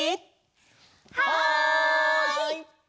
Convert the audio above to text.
はい！